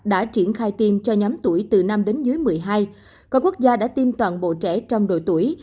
đã triển khai tiêm cho nhóm tuổi từ năm đến dưới một mươi hai có quốc gia đã tiêm toàn bộ trẻ trong độ tuổi